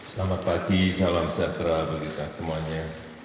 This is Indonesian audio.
selamat pagi salam sejahtera bagi kita semuanya